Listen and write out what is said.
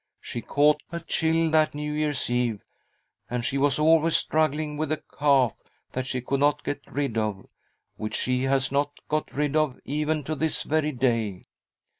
She caught a chill that New Year's Eve, and she was always struggling with a cough that she could not get rid of — which she has not got rid of even to this very day.